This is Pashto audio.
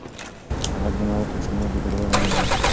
هغه ژمنه وکړه چې نور به درواغ نه وايي.